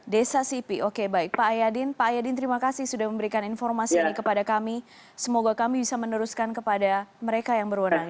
desa sipi oke baik pak yadin terima kasih sudah memberikan informasi ini kepada kami semoga kami bisa meneruskan kepada mereka yang berwenang